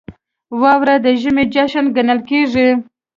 • واوره د ژمي جشن ګڼل کېږي.